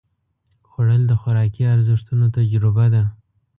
خوړل د خوراکي ارزښتونو تجربه ده